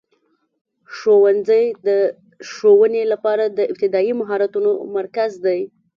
ښوونځی د ښوونې لپاره د ابتدایي مهارتونو مرکز دی.